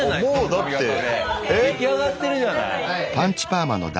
出来上がってるじゃない。